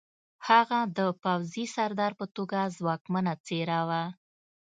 هغه د پوځي سردار په توګه ځواکمنه څېره وه